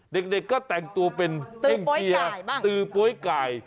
เด็กก็แต่งตัวเป็นเท่งเพียตือโป๊ยไก่